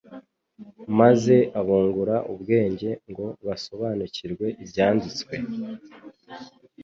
Maze abungura ubwenge ngo basobanukirwe n'Ibyanditswe,